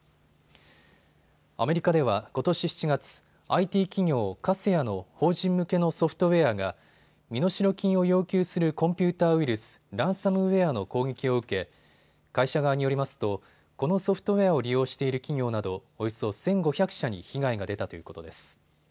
アメリカではことし７月、ＩＴ企業、カセヤの法人向けのソフトウエアが身代金を要求するコンピューターウイルス、ランサムウエアの攻撃を受け会社側によりますとこのソフトウエアを利用している企業などおよそ１５００社に被害が出たということです。